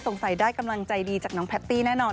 สงสัยได้กำลังใจดีจากน้องแพตตี้แน่นอน